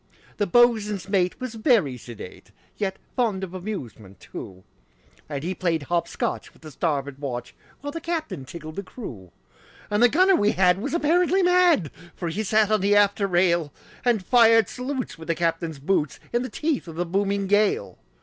The boatswain's mate was very sedate, Yet fond of amusement, too; And he played hop scotch with the starboard watch, While the captain tickled the crew. And the gunner we had was apparently mad, For he sat on the after rail, And fired salutes with the captain's boots, In the teeth of the booming gale.